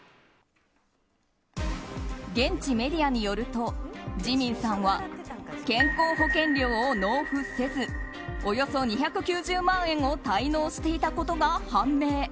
現地メディアによるとジミンさんは健康保険料を納付せずおよそ２９０万円を滞納していたことが判明。